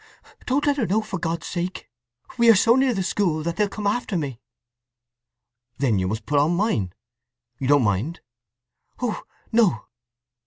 Don't let her know, for God's sake! We are so near the school that they'll come after me!" "Then you must put on mine. You don't mind?" "Oh no."